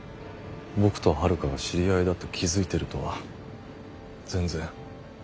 僕と遥が知り合いだって気付いてるとは全然。